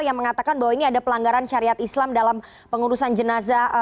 yang mengatakan bahwa ini ada pelanggaran syariat islam dalam pengurusan jenazah